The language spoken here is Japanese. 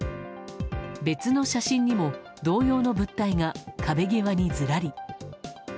別の写真にも同様の物体が壁際にずらり。